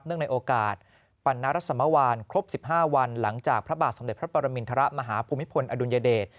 ในโอกาสปรณรสมวานครบ๑๕วันหลังจากพระบาทสมเด็จพระปรมินทรมาฮภูมิพลอดุลยเดช